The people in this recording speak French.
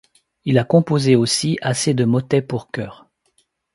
Il a composé aussi assez de motets pour chœur.